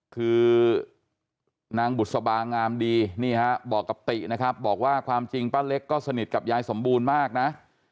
คือนางบุษบางามดีนี่ฮะบอกกับตินะครับบอกว่าความจริงป้าเล็กก็สนิทกับยายสมบูรณ์มากนะ